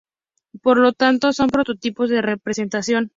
Por lo tanto, son prototipos de representación.